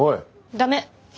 ダメ！